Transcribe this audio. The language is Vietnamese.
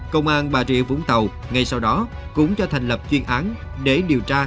công an bà trịa vũng tàu ngay sau đó cũng cho biết